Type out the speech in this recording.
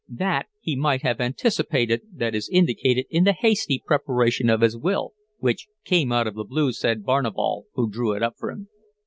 That he might have anticipated that is indicated in the hasty preparation of his will, which came out of the blue, said Barnevall, who drew it up for him.